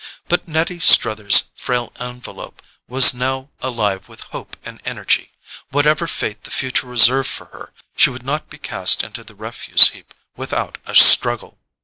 But Nettie Struther's frail envelope was now alive with hope and energy: whatever fate the future reserved for her, she would not be cast into the refuse heap without a struggle.